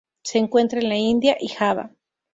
Se encuentra en la India y Java.